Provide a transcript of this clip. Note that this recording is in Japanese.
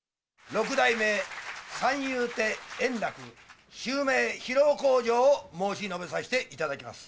六代目三遊亭円楽、襲名披露口上を申し述べさせていただきます。